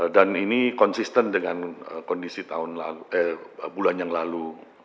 dan ini konsisten dengan kondisi bulan yang lalu